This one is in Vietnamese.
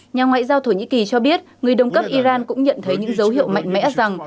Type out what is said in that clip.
nhà ngoại giao thổ nhĩ kỳ cho biết người đồng cấp iran cũng nhận thấy những dấu hiệu mạnh mẽ rằng